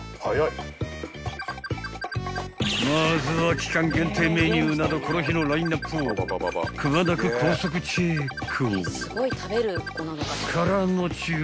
［まずは期間限定メニューなどこの日のラインアップをくまなく高速チェック］